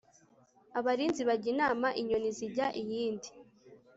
abalinzi bajya inama inyoni zijya iyindi